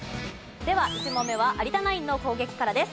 では１問目は有田ナインの攻撃からです。